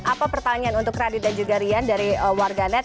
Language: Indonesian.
apa pertanyaan untuk radit dan jungarian dari warganet